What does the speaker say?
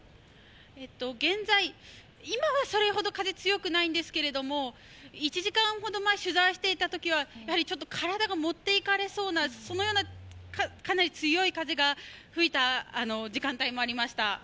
今は、それほど風は強くないんですけれども、１時間前、取材していたときは体が持っていかれそうな、かなり強い風が吹いた時間帯もありました。